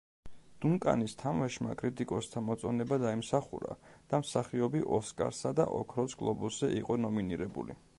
დუნკანის თამაშმა კრიტიკოსთა მოწონება დაიმსახურა და მსახიობი ოსკარსა და ოქროს გლობუსზე იყო ნომინირებული.